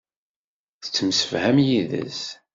Tettemsefham yid-s.